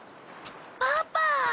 パパ！